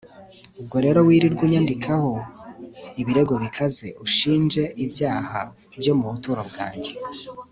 ubwo rero wirirwe unyandikaho ibirego bikaze, unshinje ibyaha byo mu buto bwanjye